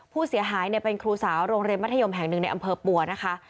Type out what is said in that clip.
ผู้เสียหายเป็นครูสาวโรงเรียนมัธยมแห่งหนึ่งในอำเภอปัวนะคะ